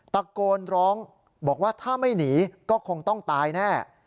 ตะโกนร้องบอกว่าถ้าไม่หนีก็คงต้องตายแน่